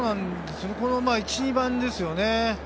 この１・２番ですよね。